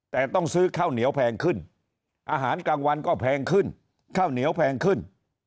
แต่ต้องซื้อข้าวเหนียวแพงขึ้นอาหารกลางวันก็แพงขึ้นข้าวเหนียวแพงขึ้น